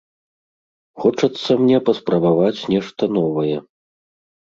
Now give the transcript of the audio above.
Хочацца мне паспрабаваць нешта новае.